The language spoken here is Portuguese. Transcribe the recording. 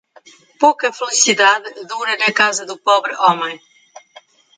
Pouca felicidade dura na casa do pobre homem.